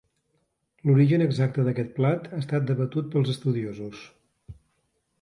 L'origen exacte d'aquest plat ha estat debatut pels estudiosos.